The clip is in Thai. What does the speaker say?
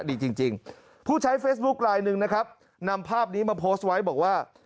จริงจริงผู้ใช้เฟซบุ๊คไลน์หนึ่งนะครับนำภาพนี้มาโพสต์ไว้บอกว่า